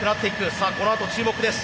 さあこのあと注目です。